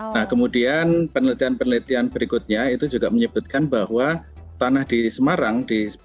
nah kemudian penelitian penelitian berikutnya itu juga menyebutkan bahwa tanah di semarang